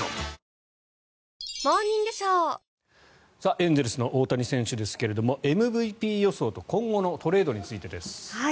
エンゼルスの大谷選手ですがＭＶＰ予想と今後のトレードについてです。